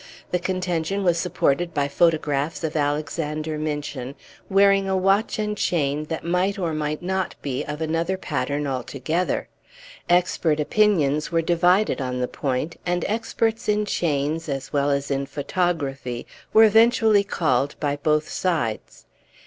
The contention was supported by photographs of Alexander Minchin wearing a watch chain that might or might not be of another pattern altogether; expert opinions were divided on the point; and experts in chains as well as in photography were eventually called by both sides.